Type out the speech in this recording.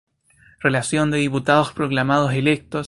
Relación de diputados proclamados electos.